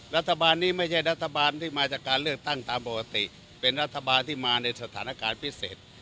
รัฐบาลนี้ไม่ใช่รัฐบาลที่มาจากการเลือกตั้งตามปกติเป็นรัฐบาลที่มาในสถานการณ์พิเศษ